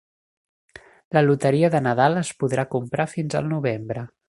La loteria de Nadal es podrà comprar fins al novembre.